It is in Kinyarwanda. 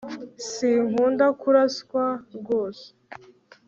sinkunda kuraswa rwose